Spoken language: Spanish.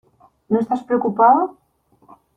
¿ No estás preocupado?